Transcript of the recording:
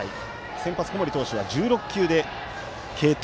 先発、小森投手は１６球で継投。